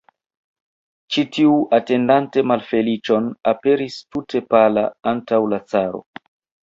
Ĉi tiu, atendante malfeliĉon, aperis tute pala antaŭ la caro.